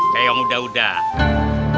kayak yang udah udah